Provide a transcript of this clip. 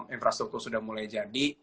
infrastruktur sudah mulai jadi